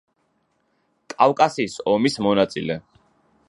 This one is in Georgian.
კავკასიის ომის მონაწილე.